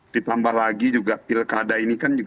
ditambah lagi juga pilkada ini kan juga